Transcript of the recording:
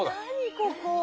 ここ。